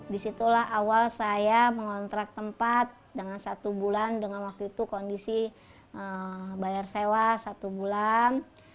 disitulah awal saya mengontrak tempat dengan satu bulan dengan waktu itu kondisi bayar sewa satu bulan